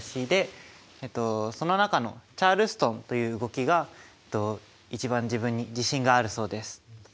でその中のチャールストンという動きが一番自分に自信があるそうです。